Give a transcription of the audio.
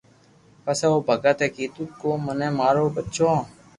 پسي او ڀگت اي ڪيدو ڪو مني مارو ٻچو